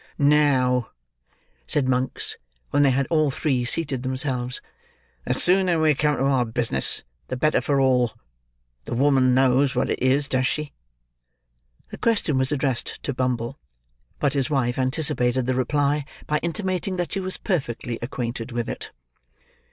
"Now," said Monks, when they had all three seated themselves, "the sooner we come to our business, the better for all. The woman know what it is, does she?" The question was addressed to Bumble; but his wife anticipated the reply, by intimating that she was perfectly acquainted with it.